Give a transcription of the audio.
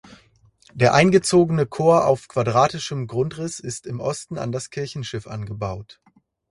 Der eingezogene Chor auf quadratischem Grundriss ist im Osten an das Kirchenschiff angebaut.